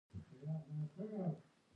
اسلام ټول بشریت او انسانیت ته راغلی دی.